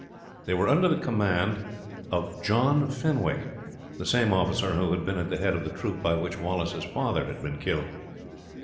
They were under the command of John Fenwick, the same officer who had been at the head of the troop by which Wallace's father had been killed.